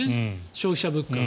消費者物価。